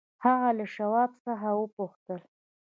هغه له شواب څخه وپوښتل.